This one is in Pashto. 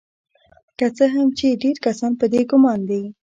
که څه هم چې ډیر کسان په دې ګمان دي